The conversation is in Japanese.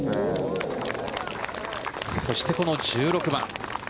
そして、この１６番。